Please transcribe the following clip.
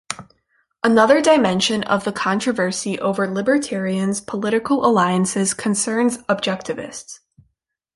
Another dimension of the controversy over libertarians' political alliances concerns Objectivists.